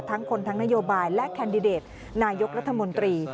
ทั้งคนทั้งนโยบายและแคนดิเดตนายกรัฐมนตรี